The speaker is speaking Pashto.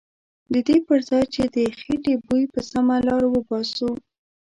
ددې پرځای چې د خیټې بوی په سمه لاره وباسو.